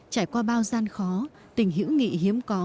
trải qua bao gian khó tình hữu nghị hiếm có